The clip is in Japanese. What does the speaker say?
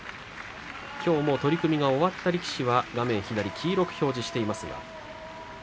きょう取組が終わった力士は画面左、黄色く表示しています。